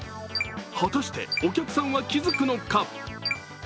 果たしてお客さんは気付くのか？